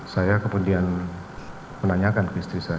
saya kemudian menanyakan ke istri saya